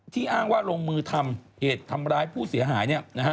อ้างว่าลงมือทำเหตุทำร้ายผู้เสียหาย